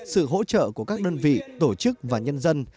sự hỗ trợ của các đơn vị tổ chức và nhân dân